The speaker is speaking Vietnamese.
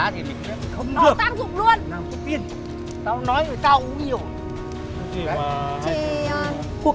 không bách bệnh